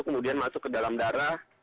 kemudian masuk ke dalam darah